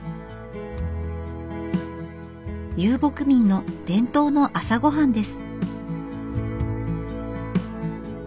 遊牧民の伝統の朝ごはんです。